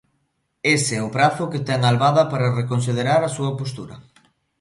Ese é o prazo que ten Albada para reconsiderar a súa postura.